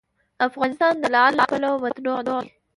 افغانستان د لعل له پلوه متنوع دی.